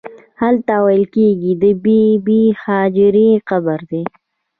هلته ویل کېږي د بې بي هاجرې قبر دی.